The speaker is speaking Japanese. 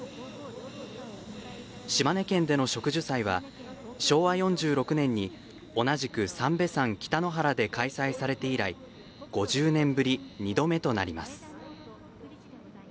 島根県での植樹祭は昭和４６年に同じく三瓶山北の原で開催されて以来５０年ぶり２度目となります。